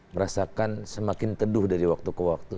merasakan semakin teduh dari waktu ke waktu